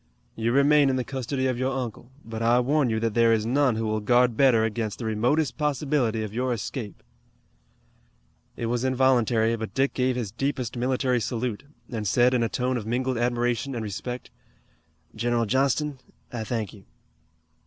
You remain in the custody of your uncle, but I warn you that there is none who will guard better against the remotest possibility of your escape." It was involuntary, but Dick gave his deepest military salute, and said in a tone of mingled admiration and respect: "General Johnston, I thank you."